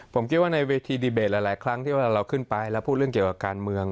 ผมคิดว่าในเวทีดีเบตหลายครั้งที่เวลาเราขึ้นไปแล้วพูดเรื่องเกี่ยวกับการเมือง